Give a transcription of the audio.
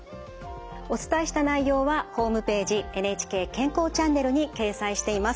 お伝えした内容はホームページ「ＮＨＫ健康チャンネル」に掲載しています。